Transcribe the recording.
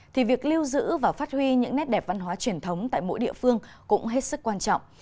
thì việc lưu giữ và phát huy những nét đẹp văn hóa truyền thống tại mỗi địa phương cũng hết sức quan trọng